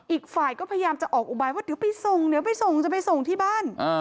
อีกฝ่ายก็พยายามจะออกอุบายว่าเดี๋ยวไปส่งจะไปส่งที่บ้าน